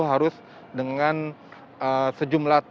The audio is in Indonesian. harus dengan sejumlah